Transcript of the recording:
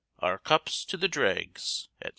Our cups to the dregs, &c.